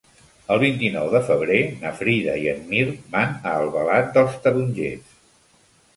El vint-i-nou de febrer na Frida i en Mirt van a Albalat dels Tarongers.